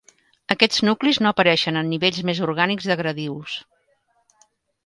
Aquests nuclis no apareixen en nivells més orgànics de "Gradius".